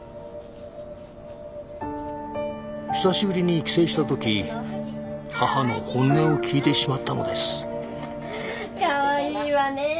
久しぶりに帰省した時母の本音を聞いてしまったのです。